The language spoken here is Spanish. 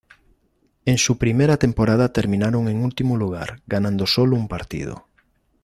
En su primera temporada terminaron en último lugar, ganando solo un partido.